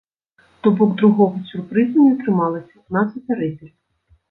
То бок другога сюрпрызу не атрымалася, нас апярэдзілі.